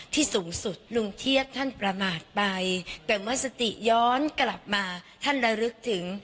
ที่สูงสุดลุงเทียบท่านประมาทไปแต่เมื่อสติย้อนกลับมาท่านระลึกถึง